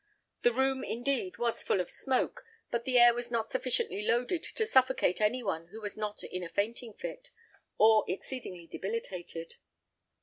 The room, indeed, was full of smoke, but the air was not sufficiently loaded to suffocate any one who was not in a fainting fit, or exceedingly debilitated."